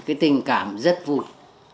cái tình cảm rất vui